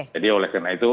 jadi oleh karena itu